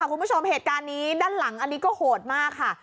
คุณผู้ชมเหตุการณ์นี้ด้านหลังอันนี้ก็โหดมากค่ะ